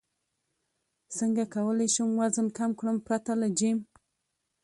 څنګه کولی شم وزن کم کړم پرته له جیم